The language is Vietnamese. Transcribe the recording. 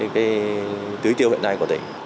cái hệ thống thủy lợi đồng